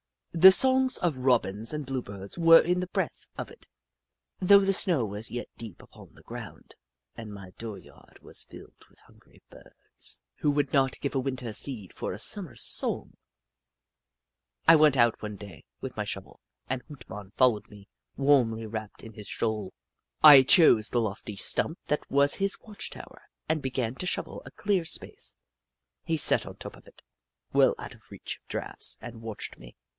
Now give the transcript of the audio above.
The songs of Robins and Bluebirds were in the breath of it, though the snow was yet deep upon the ground, and my dooryard was filled with hungry Birds. " Who would not give a Winter seed for a Summer song ?" I went out one day, with my shovel, and Hoot Mon followed me, warmly wrapped in his shawl. I chose the lofty stump that was his watch tower and began to shovel a clear space. He sat on top of it, well out of reach of draughts, and watched me.